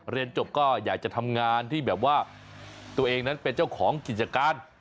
เรียนจบก็อยากจะทำงานที่แบบว่าตัวเองนั้นเป็นเจ้าของกิจการ